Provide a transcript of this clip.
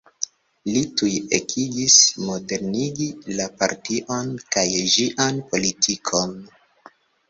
Li tuj ekigis modernigi la partion kaj ĝian politikon.